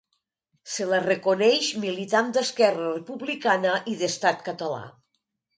Se la reconeix militant d'Esquerra Republicana i d'Estat Català.